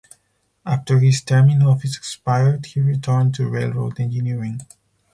After his term in office expired, he returned to railroad engineering.